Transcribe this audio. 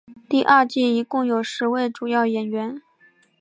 第二季一共有十位主要演员。